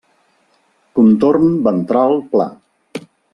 Contorn ventral pla.